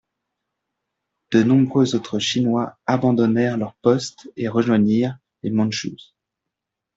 De nombreux autres Chinois abandonnèrent leurs postes et rejoignirent les Mandchous.